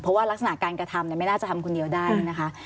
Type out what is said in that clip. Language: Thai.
เพราะว่ารักษณะการกระทำไม่น่าจะทำคนเดียวได้นะคะ